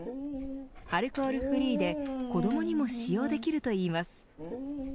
アルコールフリーで子どもにも使用できるといいます。